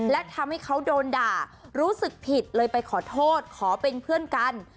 และทำให้เขาโดนด่ารู้สึกผิดเลยไปขอโทษขอเป็นเพื่อนกัน